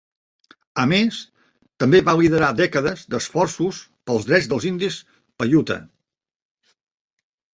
A més, també va liderar dècades d'esforços pels drets dels indis paiute.